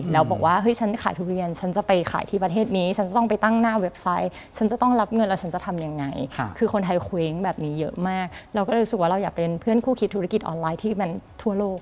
มีเยอะมากเราก็รู้สึกว่าเราอยากเป็นเพื่อนคู่คิดธุรกิจออนไลน์ที่มันทั่วโลก